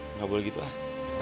enggak boleh gitu ah